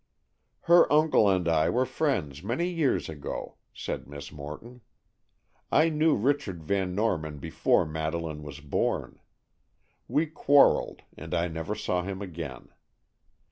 "Her uncle and I were friends many years ago," said Miss Morton. "I knew Richard Van Norman before Madeleine was born. We quarrelled, and I never saw him again.